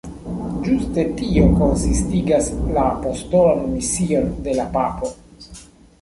Ĝuste tio konsistigas la apostolan mision de la papo.